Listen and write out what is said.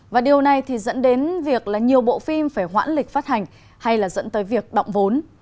và điều này thì dẫn đến việc là nhiều bộ phim phải hoãn lịch phát hành hay là dẫn tới việc động vốn